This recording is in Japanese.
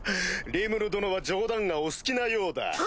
リムル殿は冗談がお好きなようだ。